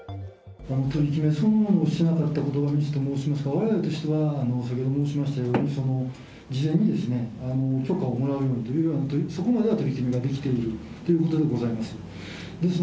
取り決めそのものをしなかったことについてはミスと申しますと、われわれとしましては、先ほど申しましたように、事前に許可をもらうと、そこまでは取り決めができているということでございます。